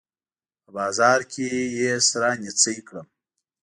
په بازار کې يې سره نيڅۍ کړم